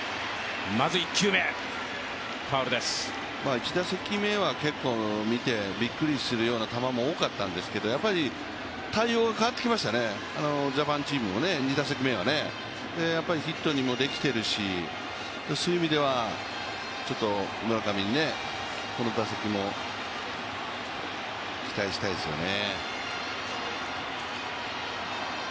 １打席目は結構見てびっくりするような球も多かったんですけどやっぱり対応が変わってきましたね、ジャパンチームも２打席目はね、ヒットにもできているし、そういう意味では村上にこの打席も期待したいですよね。